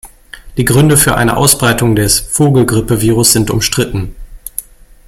Die Gründe für eine Ausbreitung des Vogelgrippe-Virus sind umstritten.